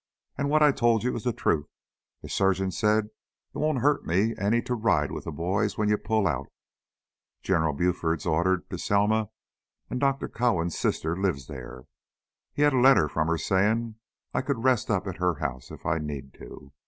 "And what I told you is the truth. The surgeon said it won't hurt me any to ride with the boys when you pull out. General Buford's ordered to Selma and Dr. Cowan's sister lives there. He has a letter from her sayin' I can rest up at her house if I need to.